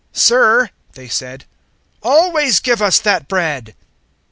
006:034 "Sir," they said, "always give us that bread."